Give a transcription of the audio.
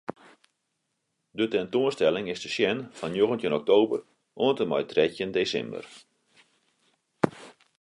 De tentoanstelling is te sjen fan njoggentjin oktober oant en mei trettjin desimber.